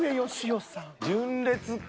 純烈か。